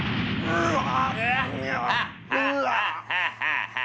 うわ！